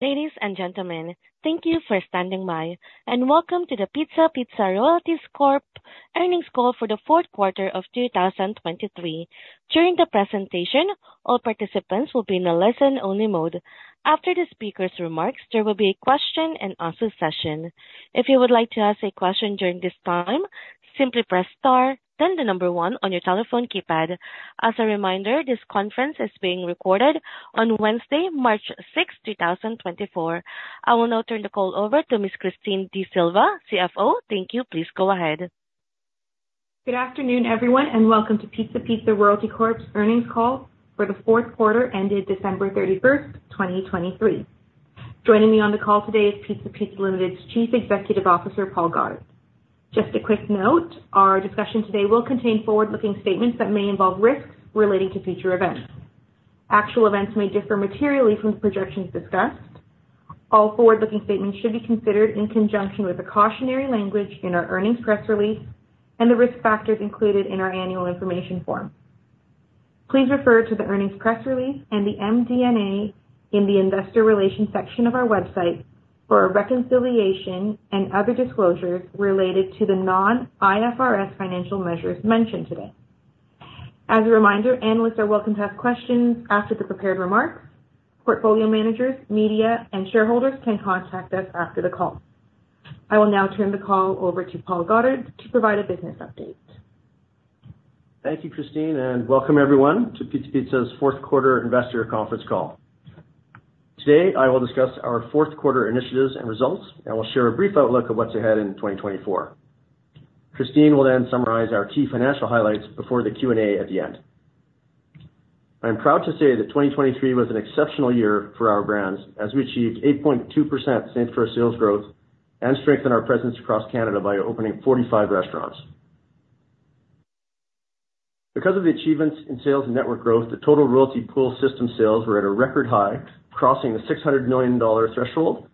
Ladies and gentlemen, thank you for standing by, and welcome to the Pizza Pizza Royalty Corp. Earnings Call for the Fourth Quarter of 2023. During the presentation, all participants will be in a listen-only mode. After the speaker's remarks, there will be a question-and-answer session. If you would like to ask a question during this time, simply press star, then the number 1 on your telephone keypad. As a reminder, this conference is being recorded on Wednesday, March 6, 2024. I will now turn the call over to Ms. Christine D'Sylva, CFO. Thank you, please go ahead. Good afternoon, everyone, and welcome to Pizza Pizza Royalty Corp.'s earnings call for the fourth quarter ended December 31, 2023. Joining me on the call today is Pizza Pizza Limited's Chief Executive Officer, Paul Goddard. Just a quick note, our discussion today will contain forward-looking statements that may involve risks relating to future events. Actual events may differ materially from the projections discussed. All forward-looking statements should be considered in conjunction with the cautionary language in our earnings press release and the risk factors included in our annual information form. Please refer to the earnings press release and the MD&A in the investor relations section of our website for reconciliation and other disclosures related to the non-IFRS financial measures mentioned today. As a reminder, analysts are welcome to ask questions after the prepared remarks. Portfolio managers, media, and shareholders can contact us after the call. I will now turn the call over to Paul Goddard to provide a business update. Thank you, Christine, and welcome everyone to Pizza Pizza's Fourth Quarter Investor Conference Call. Today, I will discuss our fourth quarter initiatives and results, and we'll share a brief outlook of what's ahead in 2024. Christine will then summarize our key financial highlights before the Q&A at the end. I'm proud to say that 2023 was an exceptional year for our brands as we achieved 8.2% same-store sales growth and strengthened our presence across Canada by opening 45 restaurants. Because of the achievements in sales and network growth, the total royalty pool system sales were at a record high, crossing the 600 million dollar threshold,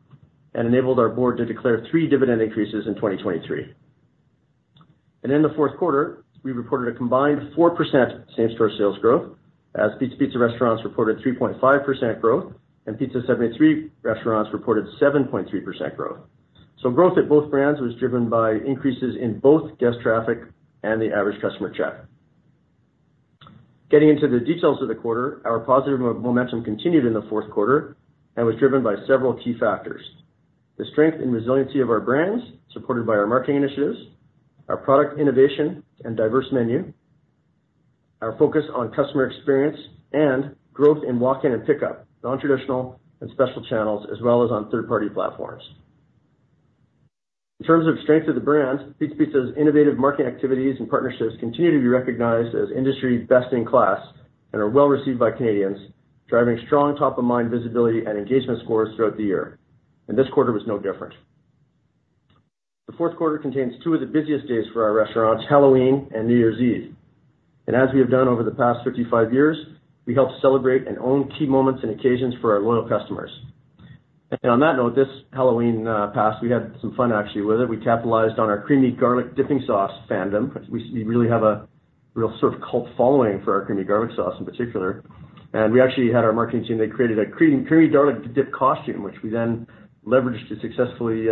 and enabled our board to declare three dividend increases in 2023. In the fourth quarter, we reported a combined 4% same-store sales growth as Pizza Pizza restaurants reported 3.5% growth and Pizza 73 restaurants reported 7.3% growth. Growth at both brands was driven by increases in both guest traffic and the average customer check. Getting into the details of the quarter, our positive momentum continued in the fourth quarter and was driven by several key factors: the strength and resiliency of our brands supported by our marketing initiatives, our product innovation and diverse menu, our focus on customer experience, and growth in walk-in and pickup, non-traditional and special channels, as well as on third-party platforms. In terms of strength of the brand, Pizza Pizza's innovative marketing activities and partnerships continue to be recognized as industry best-in-class and are well received by Canadians, driving strong top-of-mind visibility and engagement scores throughout the year. This quarter was no different. The fourth quarter contains two of the busiest days for our restaurants, Halloween and New Year's Eve. As we have done over the past 55 years, we help celebrate and own key moments and occasions for our loyal customers. On that note, this past Halloween, we had some fun actually with it. We capitalized on our Creamy Garlic Dipping Sauce fandom. We really have a real sort of cult following for our creamy garlic sauce in particular. And we actually had our marketing team. They created a creamy garlic dip costume, which we then leveraged to successfully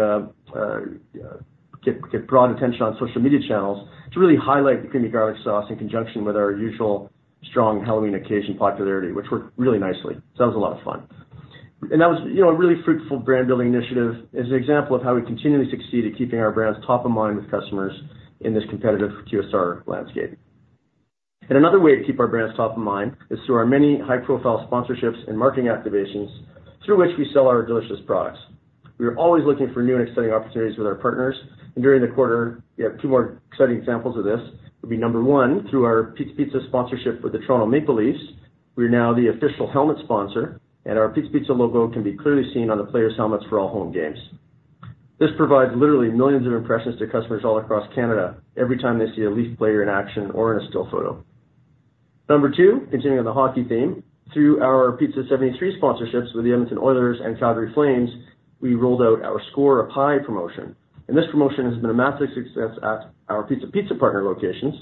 get broad attention on social media channels to really highlight the creamy garlic sauce in conjunction with our usual strong Halloween occasion popularity, which worked really nicely. So that was a lot of fun. And that was a really fruitful brand-building initiative as an example of how we continually succeed at keeping our brands top of mind with customers in this competitive QSR landscape. Another way to keep our brands top of mind is through our many high-profile sponsorships and marketing activations through which we sell our delicious products. We are always looking for new and exciting opportunities with our partners. During the quarter, we have two more exciting examples of this. It would be number one: through our Pizza Pizza sponsorship with the Toronto Maple Leafs, we are now the official helmet sponsor, and our Pizza Pizza logo can be clearly seen on the players' helmets for all home games. This provides literally millions of impressions to customers all across Canada every time they see a Leaf player in action or in a still photo. Number two, continuing on the hockey theme, through our Pizza 73 sponsorships with the Edmonton Oilers and Calgary Flames, we rolled out our Score a Pie promotion. This promotion has been a massive success at our Pizza Pizza partner locations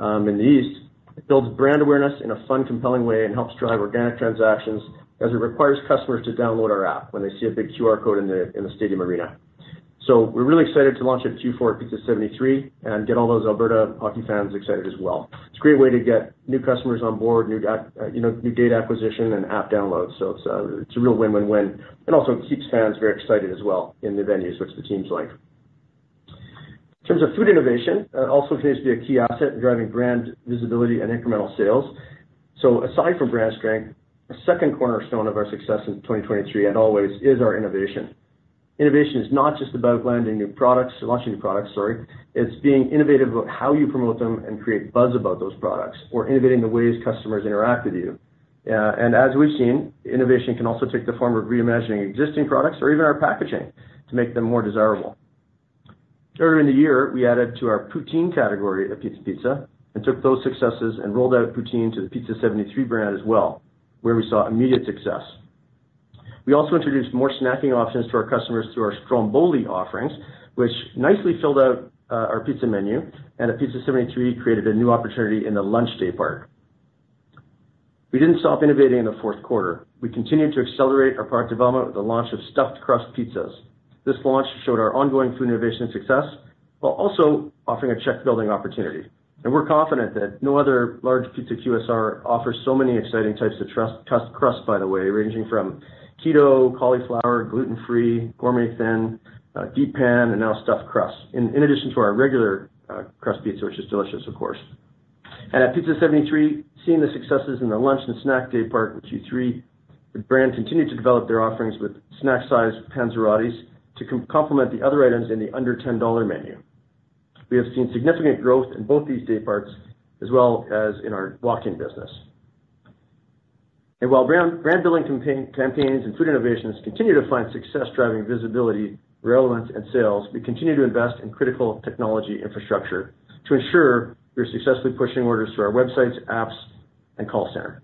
in the East. It builds brand awareness in a fun, compelling way and helps drive organic transactions as it requires customers to download our app when they see a big QR code in the stadium arena. So we're really excited to launch at Q4 at Pizza 73 and get all those Alberta hockey fans excited as well. It's a great way to get new customers on board, new data acquisition, and app downloads. So it's a real win-win-win. It also keeps fans very excited as well in the venues, which the team's like. In terms of food innovation, it also continues to be a key asset in driving brand visibility and incremental sales. So aside from brand strength, a second cornerstone of our success in 2023, as always, is our innovation. Innovation is not just about launching new products, sorry. It's being innovative about how you promote them and create buzz about those products or innovating the ways customers interact with you. As we've seen, innovation can also take the form of reimagining existing products or even our packaging to make them more desirable. Earlier in the year, we added to our poutine category at Pizza Pizza and took those successes and rolled out poutine to the Pizza 73 brand as well, where we saw immediate success. We also introduced more snacking options to our customers through our Stromboli offerings, which nicely filled out our pizza menu, and at Pizza 73 created a new opportunity in the lunch daypart. We didn't stop innovating in the fourth quarter. We continued to accelerate our product development with the launch of stuffed rust pizzas. This launch showed our ongoing food innovation success while also offering a check-building opportunity. We're confident that no other large pizza QSR offers so many exciting types of crust, by the way, ranging from keto, cauliflower, gluten-free, Gourmet Thin, Deep Pan, and now Stuffed Crust, in addition to our regular crust pizza, which is delicious, of course. At Pizza 73, seeing the successes in the lunch and snack daypart with Q3, the brand continued to develop their offerings with snack-sized panzerotti to complement the other items in the under-CAD $10 menu. We have seen significant growth in both these dayparts as well as in our walk-in business. While brand-building campaigns and food innovations continue to find success driving visibility, relevance, and sales, we continue to invest in critical technology infrastructure to ensure we're successfully pushing orders through our websites, apps, and call center.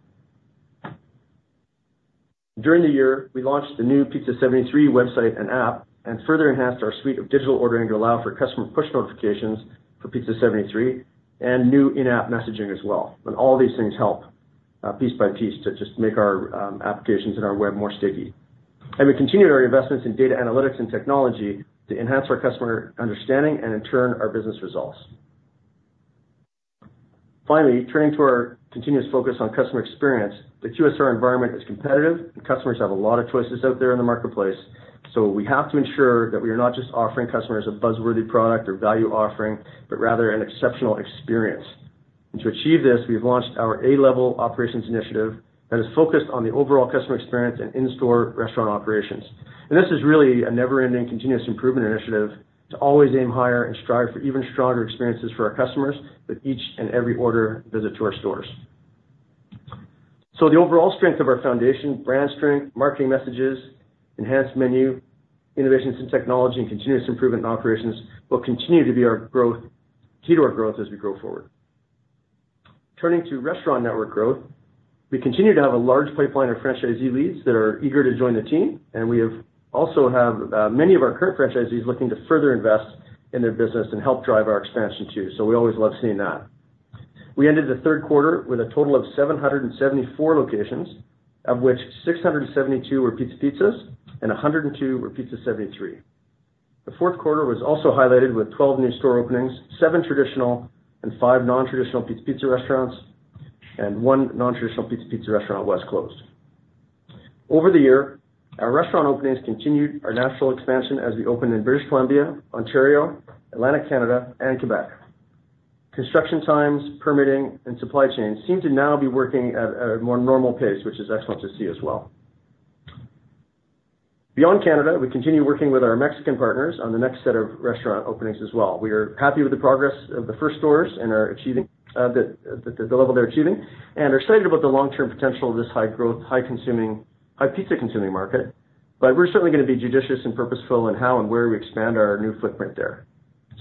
During the year, we launched the new Pizza 73 website and app and further enhanced our suite of digital ordering to allow for customer push notifications for Pizza 73 and new in-app messaging as well. All these things help piece by piece to just make our applications and our web more sticky. We continued our investments in data analytics and technology to enhance our customer understanding and, in turn, our business results. Finally, turning to our continuous focus on customer experience, the QSR environment is competitive, and customers have a lot of choices out there in the marketplace. We have to ensure that we are not just offering customers a buzzworthy product or value offering, but rather an exceptional experience. To achieve this, we have launched our A-level Operations initiative that is focused on the overall customer experience and in-store restaurant operations. This is really a never-ending continuous improvement initiative to always aim higher and strive for even stronger experiences for our customers with each and every order visit to our stores. The overall strength of our foundation, brand strength, marketing messages, enhanced menu, innovations in technology, and continuous improvement in operations will continue to be our key to our growth as we grow forward. Turning to restaurant network growth, we continue to have a large pipeline of franchisee leads that are eager to join the team, and we also have many of our current franchisees looking to further invest in their business and help drive our expansion too. We always love seeing that. We ended the third quarter with a total of 774 locations, of which 672 were Pizza Pizza and 102 were Pizza 73. The fourth quarter was also highlighted with 12 new store openings, 7 traditional and 5 non-traditional Pizza Pizza restaurants, and 1 non-traditional Pizza Pizza restaurant was closed. Over the year, our restaurant openings continued our national expansion as we opened in British Columbia, Ontario, Atlantic Canada, and Quebec. Construction times, permitting, and supply chain seem to now be working at a more normal pace, which is excellent to see as well. Beyond Canada, we continue working with our Mexican partners on the next set of restaurant openings as well. We are happy with the progress of the first stores and the level they're achieving and are excited about the long-term potential of this high-growth, high-pizza-consuming market. But we're certainly going to be judicious and purposeful in how and where we expand our new footprint there.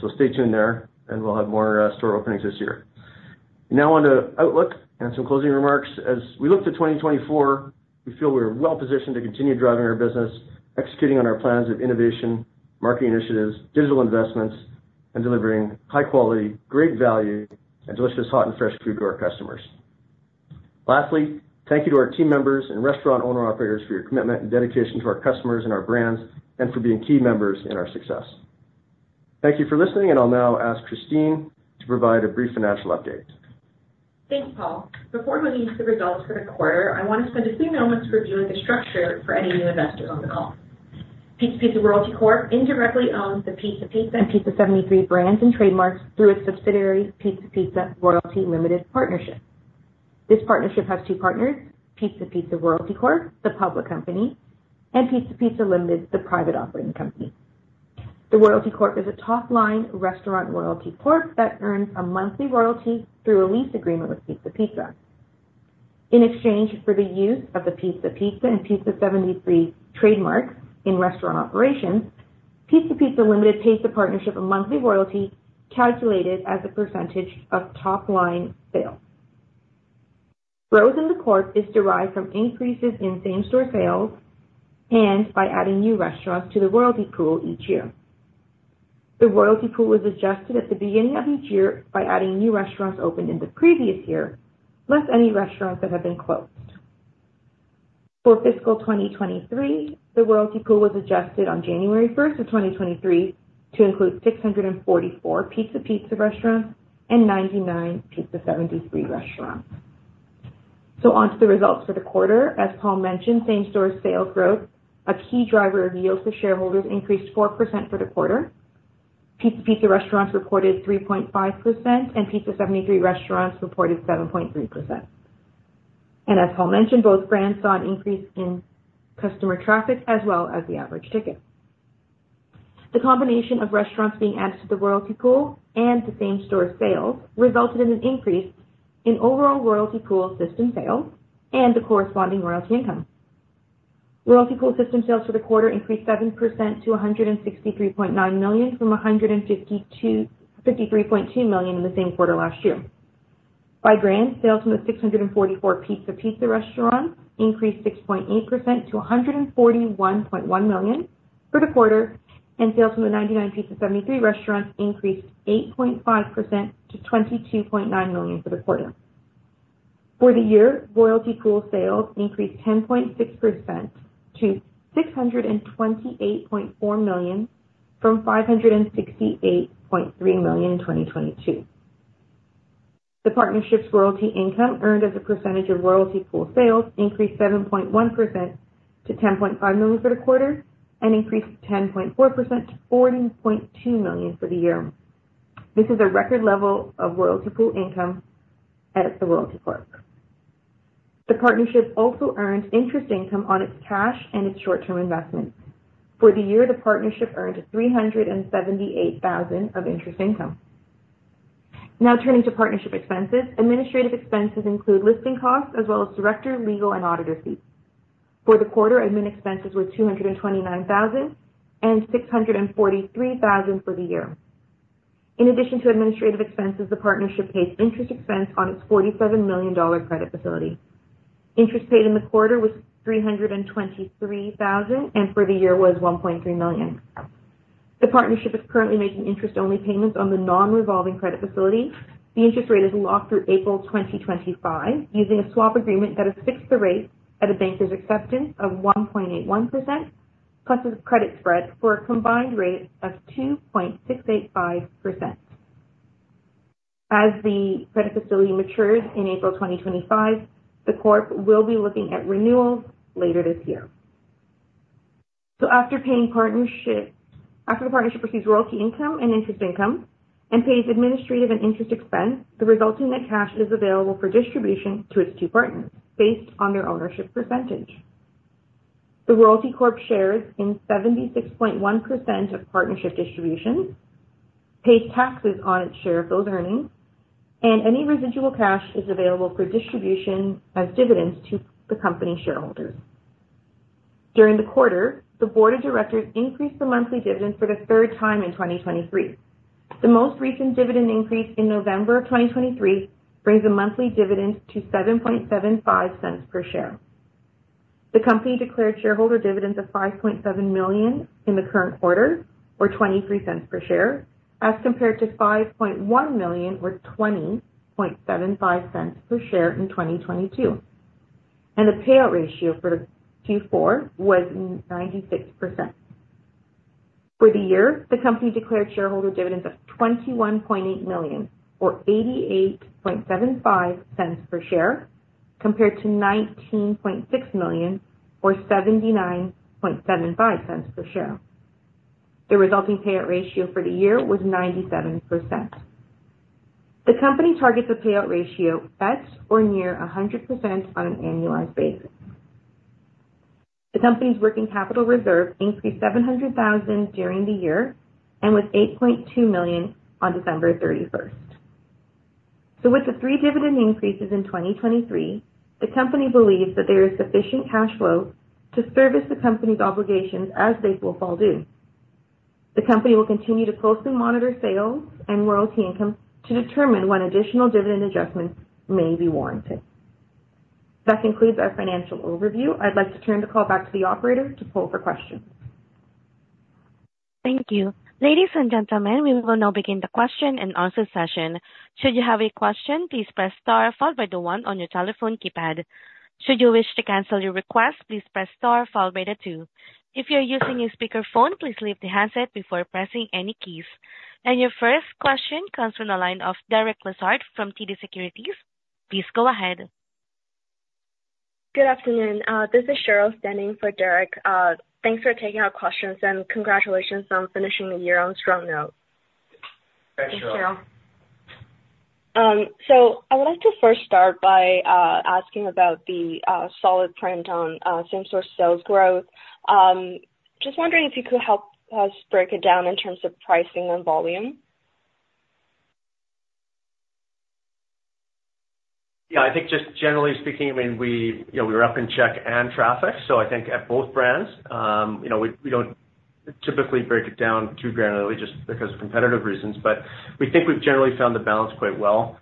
So stay tuned there, and we'll have more store openings this year. Now on to outlook and some closing remarks. As we look to 2024, we feel we're well positioned to continue driving our business, executing on our plans of innovation, marketing initiatives, digital investments, and delivering high-quality, great value, and delicious hot and fresh food to our customers. Lastly, thank you to our team members and restaurant owner-operators for your commitment and dedication to our customers and our brands and for being key members in our success. Thank you for listening, and I'll now ask Christine to provide a brief financial update. Thanks, Paul. Before we leave the results for the quarter, I want to spend a few moments reviewing the structure for any new investors on the call. Pizza Pizza Royalty Corp. indirectly owns the Pizza Pizza and Pizza 73 brands and trademarks through its subsidiary Pizza Pizza Royalty Limited Partnership. This partnership has two partners: Pizza Pizza Royalty Corp., the public company, and Pizza Pizza Limited, the private operating company. The Royalty Corp. is a top-line restaurant royalty corp. that earns a monthly royalty through a lease agreement with Pizza Pizza. In exchange for the use of the Pizza Pizza and Pizza 73 trademarks in restaurant operations, Pizza Pizza Limited pays the partnership a monthly royalty calculated as a percentage of top-line sales. Growth in the corp. is derived from increases in same-store sales and by adding new restaurants to the royalty pool each year. The royalty pool was adjusted at the beginning of each year by adding new restaurants opened in the previous year, less any restaurants that have been closed. For fiscal 2023, the royalty pool was adjusted on January 1st of 2023 to include 644 Pizza Pizza restaurants and 99 Pizza 73 restaurants. On to the results for the quarter. As Paul mentioned, same-store sales growth, a key driver of yield for shareholders, increased 4% for the quarter. Pizza Pizza restaurants reported 3.5%, and Pizza 73 restaurants reported 7.3%. As Paul mentioned, both brands saw an increase in customer traffic as well as the average ticket. The combination of restaurants being added to the royalty pool and the same-store sales resulted in an increase in overall royalty pool system sales and the corresponding royalty income. Royalty pool system sales for the quarter increased 7% to 163.9 million from 153.2 million in the same quarter last year. By brand, sales from the 644 Pizza Pizza restaurants increased 6.8% to 141.1 million for the quarter, and sales from the 99 Pizza 73 restaurants increased 8.5% to 22.9 million for the quarter. For the year, royalty pool sales increased 10.6% to 628.4 million from 568.3 million in 2022. The partnership's royalty income earned as a percentage of royalty pool sales increased 7.1% to 10.5 million for the quarter and increased 10.4% to 40.2 million for the year. This is a record level of royalty pool income at the Royalty Corp. The partnership also earned interest income on its cash and its short-term investments. For the year, the partnership earned 378,000 of interest income. Now turning to partnership expenses, administrative expenses include listing costs as well as director, legal, and auditor fees. For the quarter, admin expenses were 229,000 and 643,000 for the year. In addition to administrative expenses, the partnership pays interest expense on its 47 million dollar credit facility. Interest paid in the quarter was 323,000, and for the year was 1.3 million. The partnership is currently making interest-only payments on the non-revolving credit facility. The interest rate is locked through April 2025 using a swap agreement that has fixed the rate at a Banker's Acceptance of 1.81% plus a credit spread for a combined rate of 2.685%. As the credit facility matures in April 2025, the corp will be looking at renewals later this year. After the partnership receives royalty income and interest income and pays administrative and interest expense, the resulting net cash is available for distribution to its two partners based on their ownership percentage. The Royalty Corp. shares in 76.1% of partnership distributions, pays taxes on its share of those earnings, and any residual cash is available for distribution as dividends to the company shareholders. During the quarter, the board of directors increased the monthly dividend for the third time in 2023. The most recent dividend increase in November of 2023 brings the monthly dividend to 0.0775 per share. The company declared shareholder dividends of 5.7 million in the current quarter, or 0.23 per share, as compared to 5.1 million, or 0.2075 per share in 2022. The payout ratio for Q4 was 96%. For the year, the company declared shareholder dividends of CAD 21.8 million, or 0.8875 per share, compared to CAD 19.6 million, or 0.7975 per share. The resulting payout ratio for the year was 97%. The company targets a payout ratio at or near 100% on an annualized basis. The company's working capital reserve increased 700,000 during the year and was 8.2 million on December 31st. So with the three dividend increases in 2023, the company believes that there is sufficient cash flow to service the company's obligations as they will fall due. The company will continue to closely monitor sales and royalty income to determine when additional dividend adjustments may be warranted. That concludes our financial overview. I'd like to turn the call back to the operator to pull for questions. Thank you. Ladies and gentlemen, we will now begin the question and answer session. Should you have a question, please press star followed by the one on your telephone keypad. Should you wish to cancel your request, please press star followed by the two. If you're using a speakerphone, please leave the handset before pressing any keys. Your first question comes from the line of Derek Lessard from TD Securities. Please go ahead. Good afternoon. This is Cheryl standing for Derek. Thanks for taking our questions, and congratulations on finishing the year on strong note. Thanks, Cheryl. Thanks, Cheryl. So I would like to first start by asking about the solid print on same-store sales growth. Just wondering if you could help us break it down in terms of pricing and volume. Yeah. I think just generally speaking, I mean, we were up in check and traffic. So I think at both brands, we don't typically break it down too granularly just because of competitive reasons. But we think we've generally found the balance quite well.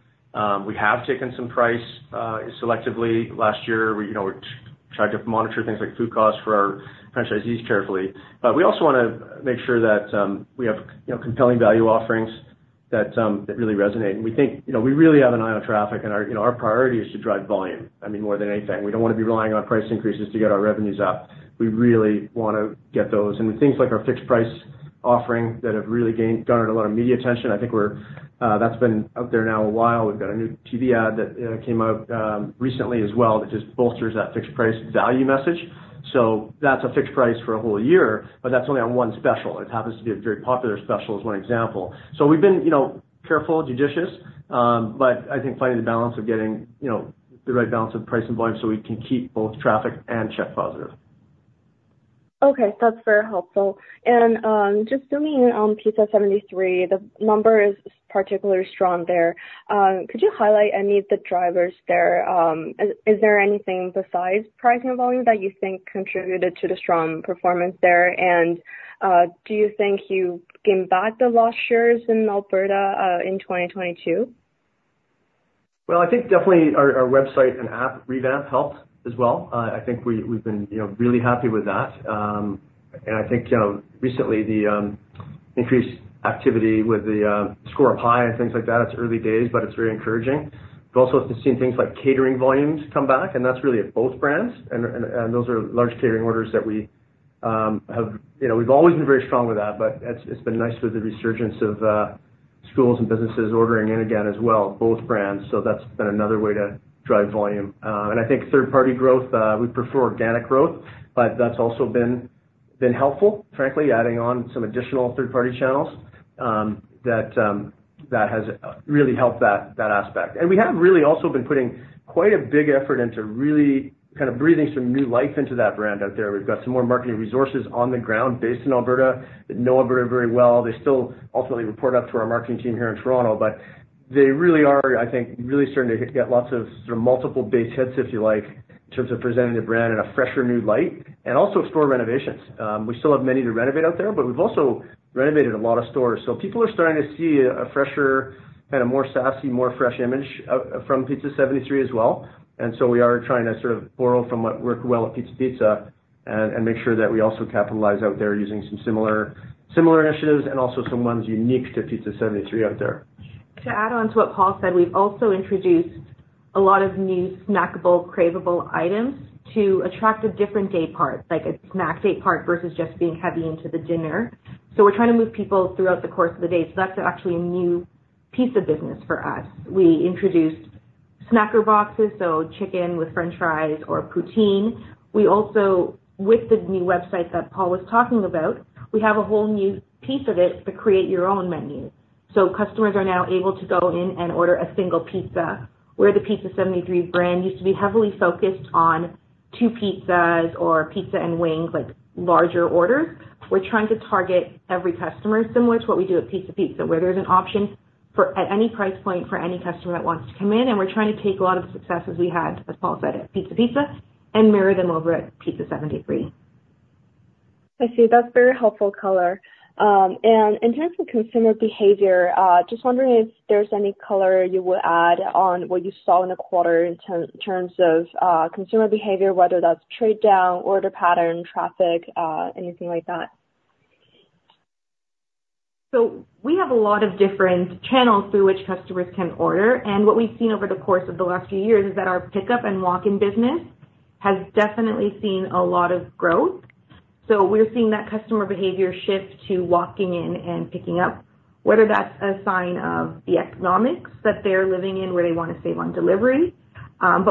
We have taken some price selectively last year. We tried to monitor things like food costs for our franchisees carefully. But we also want to make sure that we have compelling value offerings that really resonate. And we think we really have an eye on traffic, and our priority is to drive volume, I mean, more than anything. We don't want to be relying on price increases to get our revenues up. We really want to get those. And with things like our fixed-price offering that have really garnered a lot of media attention, I think that's been out there now a while. We've got a new TV ad that came out recently as well that just bolsters that fixed-price value message. So that's a fixed price for a whole year, but that's only on one special. It happens to be a very popular special as one example. So we've been careful, judicious, but I think finding the balance of getting the right balance of price and volume so we can keep both traffic and check positive. Okay. That's very helpful. And just zooming in on Pizza 73, the number is particularly strong there. Could you highlight any of the drivers there? Is there anything besides pricing and volume that you think contributed to the strong performance there? And do you think you gained back the lost shares in Alberta in 2022? Well, I think definitely our website and app revamp helped as well. I think we've been really happy with that. And I think recently, the increased activity with the Score-a-Pie and things like that, it's early days, but it's very encouraging. We've also seen things like catering volumes come back, and that's really at both brands. And those are large catering orders that we have. We've always been very strong with that, but it's been nice with the resurgence of schools and businesses ordering in again as well, both brands. So that's been another way to drive volume. And I think third-party growth, we prefer organic growth, but that's also been helpful, frankly, adding on some additional third-party channels. That has really helped that aspect. We have really also been putting quite a big effort into really kind of breathing some new life into that brand out there. We've got some more marketing resources on the ground based in Alberta that know Alberta very well. They still ultimately report up to our marketing team here in Toronto, but they really are, I think, really starting to get lots of sort of multiple base hits, if you like, in terms of presenting the brand in a fresher, new light and also explore renovations. We still have many to renovate out there, but we've also renovated a lot of stores. So people are starting to see a fresher kind of more sassy, more fresh image from Pizza 73 as well. And so we are trying to sort of borrow from what worked well at Pizza Pizza and make sure that we also capitalize out there using some similar initiatives and also some ones unique to Pizza 73 out there. To add on to what Paul said, we've also introduced a lot of new snackable, cravable items to attract a different day part, like a snack day part versus just being heavy into the dinner. So we're trying to move people throughout the course of the day. So that's actually a new piece of business for us. We introduced Snacker Boxes, so chicken with French fries or poutine. With the new website that Paul was talking about, we have a whole new piece of it to create your own menu. So customers are now able to go in and order a single pizza, where the Pizza 73 brand used to be heavily focused on two pizzas or pizza and wings, larger orders. We're trying to target every customer, similar to what we do at Pizza Pizza, where there's an option at any price point for any customer that wants to come in. And we're trying to take a lot of the successes we had, as Paul said, at Pizza Pizza and mirror them over at Pizza 73. I see. That's very helpful color. And in terms of consumer behavior, just wondering if there's any color you would add on what you saw in the quarter in terms of consumer behavior, whether that's trade down, order pattern, traffic, anything like that? We have a lot of different channels through which customers can order. What we've seen over the course of the last few years is that our pickup and walk-in business has definitely seen a lot of growth. We're seeing that customer behavior shift to walking in and picking up, whether that's a sign of the economics that they're living in where they want to save on delivery.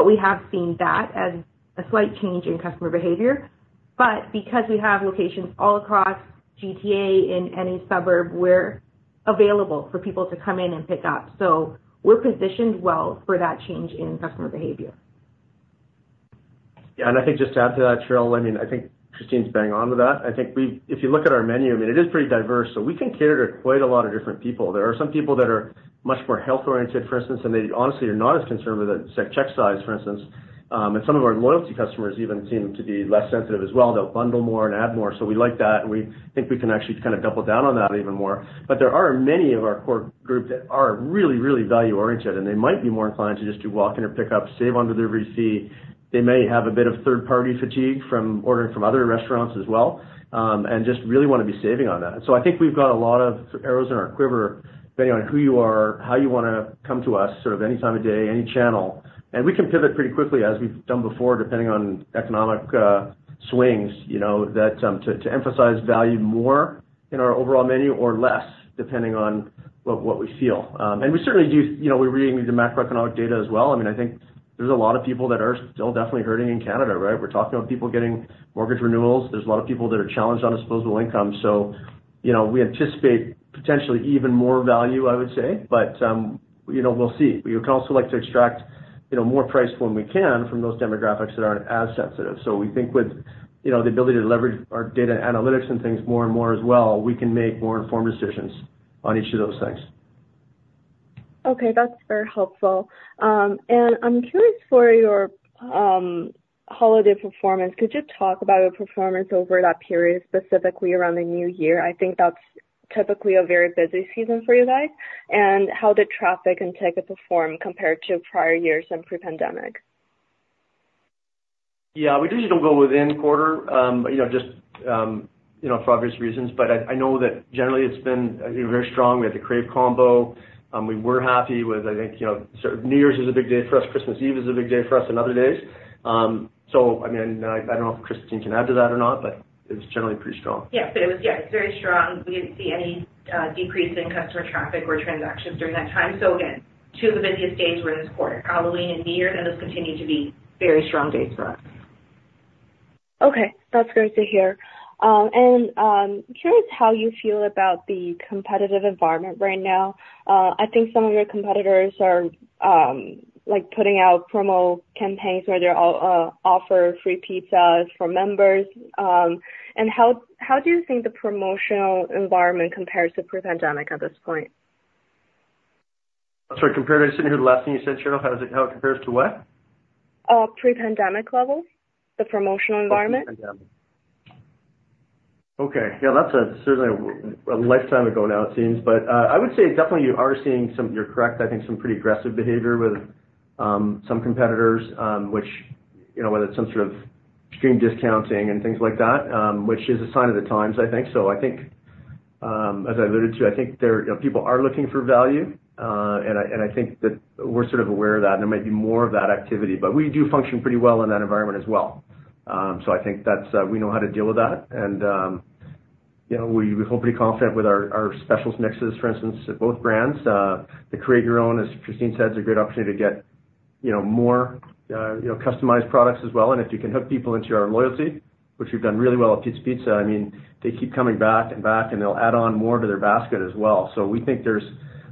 We have seen that as a slight change in customer behavior. Because we have locations all across GTA in any suburb, we're available for people to come in and pick up. We're positioned well for that change in customer behavior. Yeah. And I think just to add to that, Cheryl, I mean, I think Christine's banging on with that. I think if you look at our menu, I mean, it is pretty diverse. So we can cater to quite a lot of different people. There are some people that are much more health-oriented, for instance, and they honestly are not as concerned with the check size, for instance. And some of our loyalty customers even seem to be less sensitive as well. They'll bundle more and add more. So we like that. And we think we can actually kind of double down on that even more. But there are many of our core group that are really, really value-oriented, and they might be more inclined to just do walk-in or pickup, save under their receipt. They may have a bit of third-party fatigue from ordering from other restaurants as well and just really want to be saving on that. And so I think we've got a lot of arrows in our quiver depending on who you are, how you want to come to us, sort of any time of day, any channel. And we can pivot pretty quickly as we've done before, depending on economic swings, to emphasize value more in our overall menu or less depending on what we feel. And we certainly do. We really need the macroeconomic data as well. I mean, I think there's a lot of people that are still definitely hurting in Canada, right? We're talking about people getting mortgage renewals. There's a lot of people that are challenged on disposable income. So we anticipate potentially even more value, I would say. But we'll see. We can also like to extract more price when we can from those demographics that aren't as sensitive. So we think with the ability to leverage our data analytics and things more and more as well, we can make more informed decisions on each of those things. Okay. That's very helpful. And I'm curious for your holiday performance. Could you talk about your performance over that period, specifically around the new year? I think that's typically a very busy season for you guys. And how did traffic and ticket perform compared to prior years and pre-pandemic? Yeah. We usually don't go within quarter just for obvious reasons. But I know that generally, it's been very strong. We had the Crave Combo. We were happy with, I think, New Year's is a big day for us. Christmas Eve is a big day for us and other days. So I mean, I don't know if Christine can add to that or not, but it was generally pretty strong. Yeah. Yeah. It's very strong. We didn't see any decrease in customer traffic or transactions during that time. So again, two of the busiest days were in this quarter, Halloween and New Year's, and those continue to be very strong days for us. Okay. That's great to hear. Curious how you feel about the competitive environment right now. I think some of your competitors are putting out promo campaigns where they'll offer free pizzas for members. How do you think the promotional environment compares to pre-pandemic at this point? I'm sorry. I didn't hear the last thing you said, Cheryl. How it compares to what? Pre-pandemic level, the promotional environment? Oh, pre-pandemic. Okay. Yeah. That's certainly a lifetime ago now, it seems. But I would say definitely you are seeing some, you're correct. I think some pretty aggressive behavior with some competitors, whether it's some sort of extreme discounting and things like that, which is a sign of the times, I think. So I think, as I alluded to, I think people are looking for value. And I think that we're sort of aware of that. And there might be more of that activity. But we do function pretty well in that environment as well. So I think we know how to deal with that. And we feel pretty confident with our specials mixes, for instance, at both brands. The create your own, as Christine said, is a great opportunity to get more customized products as well. And if you can hook people into our loyalty, which we've done really well at Pizza Pizza, I mean, they keep coming back and back, and they'll add on more to their basket as well. So we think there's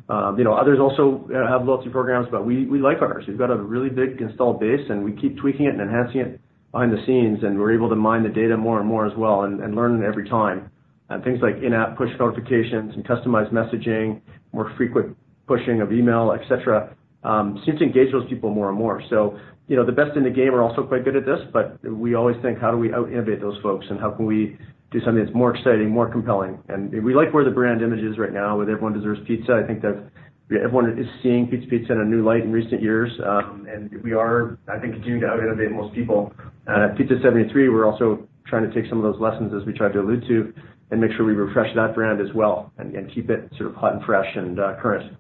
others also have loyalty programs, but we like ours. We've got a really big installed base, and we keep tweaking it and enhancing it behind the scenes. And we're able to mine the data more and more as well and learn every time. And things like in-app push notifications and customized messaging, more frequent pushing of email, etc., seem to engage those people more and more. The best in the game are also quite good at this, but we always think, "How do we out-innovate those folks, and how can we do something that's more exciting, more compelling?" We like where the brand image is right now, where everyone deserves pizza. I think that everyone is seeing Pizza Pizza in a new light in recent years. We are, I think, continuing to out-innovate most people. At Pizza 73, we're also trying to take some of those lessons as we tried to allude to and make sure we refresh that brand as well and keep it sort of hot and fresh and current.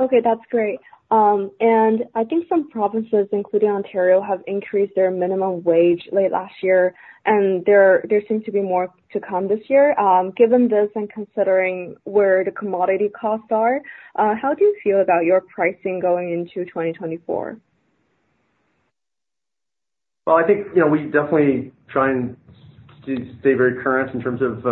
Okay. That's great. And I think some provinces, including Ontario, have increased their minimum wage late last year. And there seems to be more to come this year. Given this and considering where the commodity costs are, how do you feel about your pricing going into 2024? Well, I think we definitely try and stay very current in terms of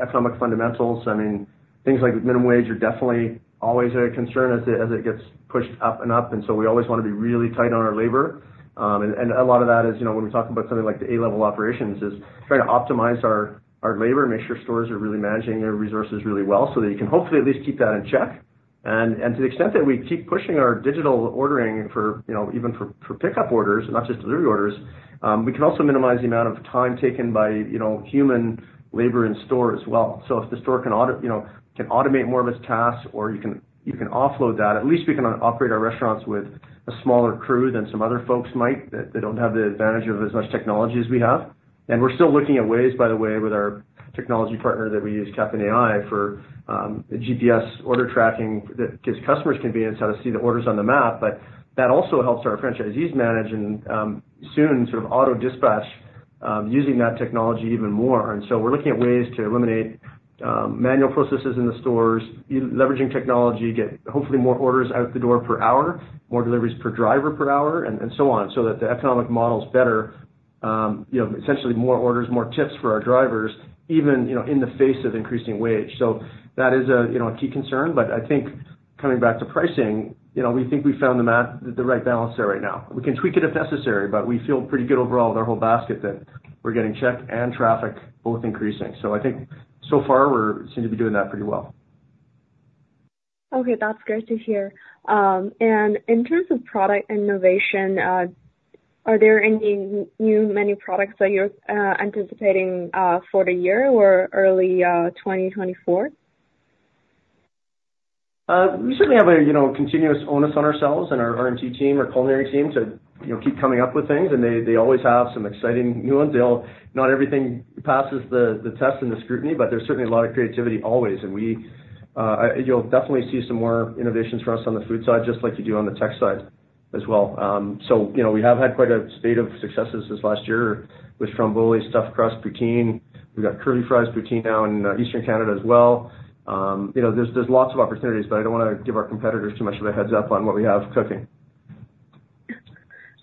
economic fundamentals. I mean, things like minimum wage are definitely always a concern as it gets pushed up and up. And so we always want to be really tight on our labor. And a lot of that is when we talk about something like the A-level Operations, is trying to optimize our labor, make sure stores are really managing their resources really well so that you can hopefully at least keep that in check. And to the extent that we keep pushing our digital ordering even for pickup orders, not just delivery orders, we can also minimize the amount of time taken by human labor in store as well. So if the store can automate more of its tasks or you can offload that, at least we can operate our restaurants with a smaller crew than some other folks might that don't have the advantage of as much technology as we have. And we're still looking at ways, by the way, with our technology partner that we use, Captain AI, for GPS order tracking that gives customers convenience how to see the orders on the map. But that also helps our franchisees manage and soon sort of auto-dispatch using that technology even more. And so we're looking at ways to eliminate manual processes in the stores, leveraging technology, get hopefully more orders out the door per hour, more deliveries per driver per hour, and so on so that the economic model's better, essentially more orders, more tips for our drivers even in the face of increasing wage. So that is a key concern. But I think coming back to pricing, we think we've found the right balance there right now. We can tweak it if necessary, but we feel pretty good overall with our whole basket that we're getting check and traffic both increasing. So I think so far, we seem to be doing that pretty well. Okay. That's great to hear. And in terms of product innovation, are there any new menu products that you're anticipating for the year or early 2024? We certainly have a continuous onus on ourselves and our R&D team or culinary team to keep coming up with things. They always have some exciting new ones. Not everything passes the test and the scrutiny, but there's certainly a lot of creativity always. You'll definitely see some more innovations for us on the food side just like you do on the tech side as well. We have had quite a slate of successes this last year with famous stuffed crust poutine. We've got curly fries poutine now in Eastern Canada as well. There's lots of opportunities, but I don't want to give our competitors too much of a heads-up on what we have cooking.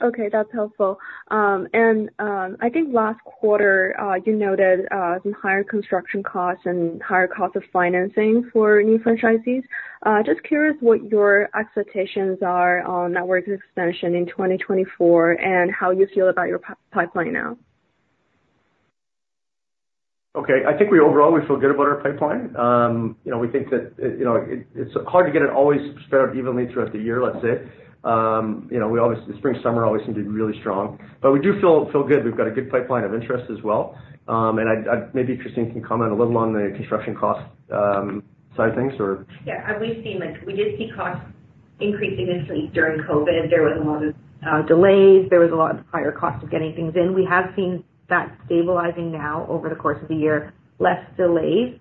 Okay. That's helpful. And I think last quarter, you noted some higher construction costs and higher costs of financing for new franchisees. Just curious what your expectations are on network expansion in 2024 and how you feel about your pipeline now? Okay. I think overall, we feel good about our pipeline. We think that it's hard to get it always spread out evenly throughout the year, let's say. Spring-summer always seem to be really strong. But we do feel good. We've got a good pipeline of interest as well. And maybe Christine can comment a little on the construction cost side of things, or? Yeah. We did see costs increasing initially during COVID. There was a lot of delays. There was a lot of higher cost of getting things in. We have seen that stabilizing now over the course of the year, less delays.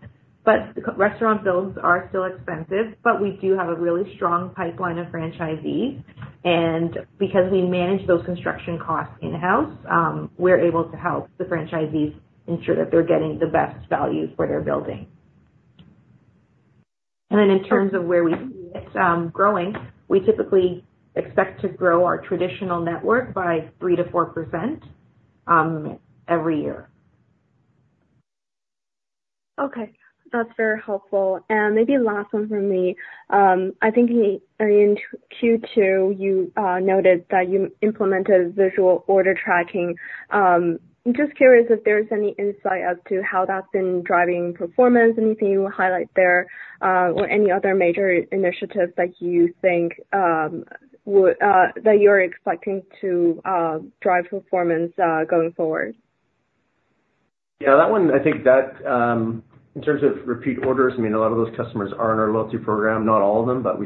But restaurant builds are still expensive. But we do have a really strong pipeline of franchisees. And because we manage those construction costs in-house, we're able to help the franchisees ensure that they're getting the best value for their building. And then in terms of where we see it growing, we typically expect to grow our traditional network by 3%-4% every year. Okay. That's very helpful. And maybe last one from me. I think in Q2, you noted that you implemented visual order tracking. Just curious if there's any insight as to how that's been driving performance, anything you would highlight there, or any other major initiatives that you think that you're expecting to drive performance going forward? Yeah. I think that in terms of repeat orders, I mean, a lot of those customers are in our loyalty program, not all of them, but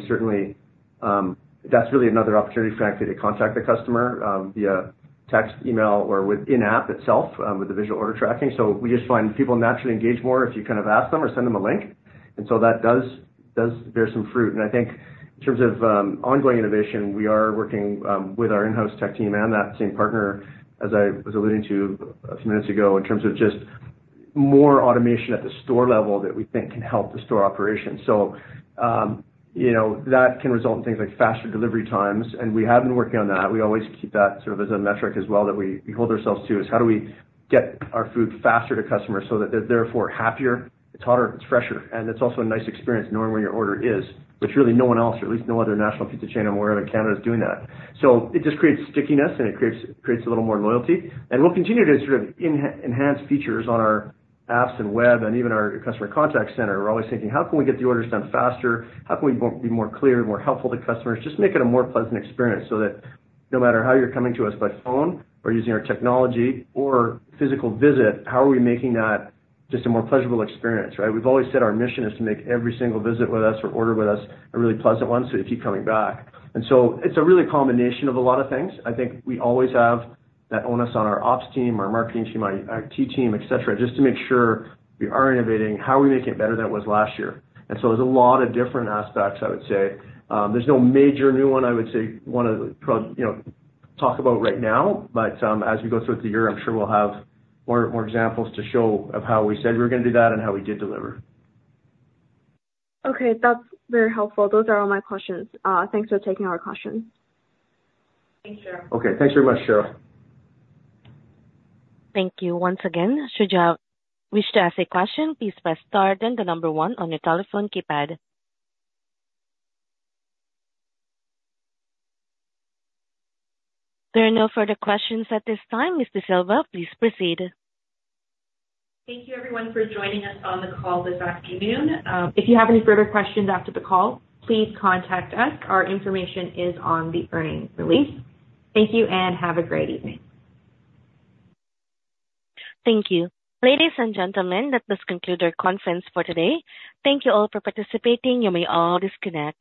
that's really another opportunity, frankly, to contact the customer via text, email, or in-app itself with the visual order tracking. So we just find people naturally engage more if you kind of ask them or send them a link. And so that does bear some fruit. And I think in terms of ongoing innovation, we are working with our in-house tech team and that same partner, as I was alluding to a few minutes ago, in terms of just more automation at the store level that we think can help the store operations. So that can result in things like faster delivery times. And we have been working on that. We always keep that sort of as a metric as well that we hold ourselves to is how do we get our food faster to customers so that they're, therefore, happier. It's hotter. It's fresher. And it's also a nice experience knowing where your order is, which really no one else, or at least no other national pizza chain I'm aware of in Canada, is doing that. So it just creates stickiness, and it creates a little more loyalty. And we'll continue to sort of enhance features on our apps and web and even our customer contact center. We're always thinking, "How can we get the orders done faster? “How can we be more clear, more helpful to customers?” Just make it a more pleasant experience so that no matter how you're coming to us by phone or using our technology or physical visit, how are we making that just a more pleasurable experience, right? We've always said our mission is to make every single visit with us or order with us a really pleasant one so you keep coming back. So it's a really combination of a lot of things. I think we always have that onus on our ops team, our marketing team, our IT team, etc., just to make sure we are innovating. How are we making it better than it was last year? So there's a lot of different aspects, I would say. There's no major new one, I would say, one to probably talk about right now. But as we go through the year, I'm sure we'll have more examples to show of how we said we were going to do that and how we did deliver. Okay. That's very helpful. Those are all my questions. Thanks for taking our questions. Thanks, Cheryl. Okay. Thanks very much, Cheryl. Thank you once again. Should you have wished to ask a question, please press star then the number one on your telephone keypad. There are no further questions at this time. Ms. D'Sylva, please proceed. Thank you, everyone, for joining us on the call this afternoon. If you have any further questions after the call, please contact us. Our information is on the earnings release. Thank you, and have a great evening. Thank you. Ladies and gentlemen, that does conclude our conference for today. Thank you all for participating. You may all disconnect.